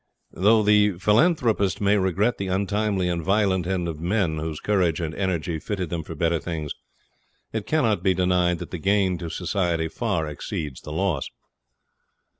Though the philanthropist may regret the untimely and violent end of men whose courage and energy fitted them for better things, it cannot be denied that the gain to society far exceeds the loss.